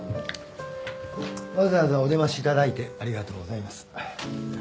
わざわざお出ましいただいてありがとうございます。